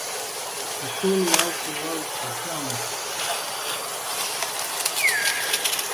McCulley also wrote for films.